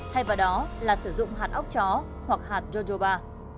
thay vào đó là sử dụng hạt ốc chó hoặc hạt jojoba